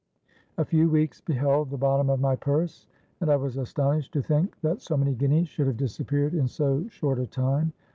A few weeks beheld the bottom of my purse—and I was astonished to think that so many guineas should have disappeared in so short a time.